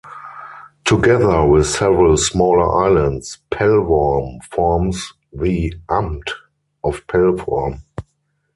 Together with several smaller islands, Pellworm forms the "Amt" of Pellworm.